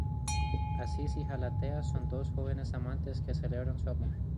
Acis y Galatea son dos jóvenes amantes que celebran su amor.